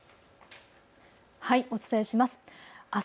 お伝えします。